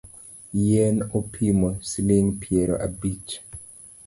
Yien apimo siling’ piero abich